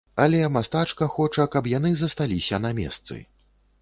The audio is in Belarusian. Але мастачка хоча, каб яны засталіся на месцы.